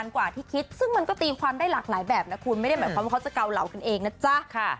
กว่าที่คิดซึ่งมันก็ตีความได้หลากหลายแบบนะคุณไม่ได้หมายความว่าเขาจะเกาเหลากันเองนะจ๊ะ